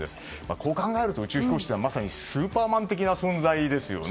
こう考えると、宇宙飛行士はスーパーマン的な存在ですね。